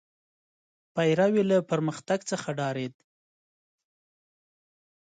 پیرو یې له پرمختګ څخه ډارېد.